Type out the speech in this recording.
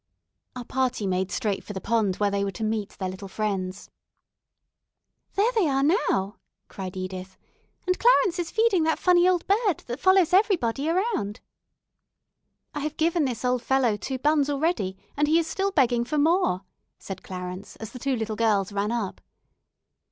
Our party made straight for the pond where they were to meet their little friends. "There they are now," cried Edith, "and Clarence is feeding that funny old bird that follows everybody around." "I have given this old fellow two buns already, and he is still begging for more," said Clarence, as the two little girls ran up.